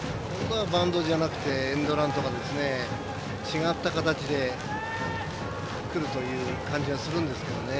バントじゃなくてエンドランとか違った形でくるという感じがするんですけどね。